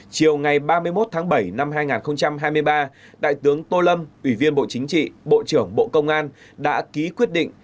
chiều ngày ba mươi một tháng bảy năm hai nghìn hai mươi ba đại tướng tô lâm ủy viên bộ chính trị bộ trưởng bộ công an đã ký quyết định